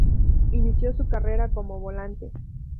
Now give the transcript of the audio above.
Inició su carrera como volante.